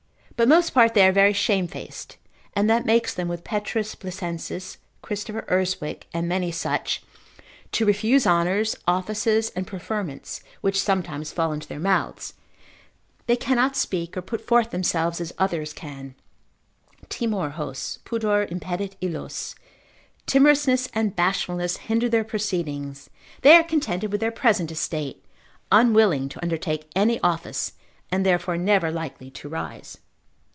But most part they are very shamefaced, and that makes them with Pet. Blesensis, Christopher Urswick, and many such, to refuse honours, offices, and preferments, which sometimes fall into their mouths, they cannot speak, or put forth themselves as others can, timor hos, pudor impedit illos, timorousness and bashfulness hinder their proceedings, they are contented with their present estate, unwilling to undertake any office, and therefore never likely to rise.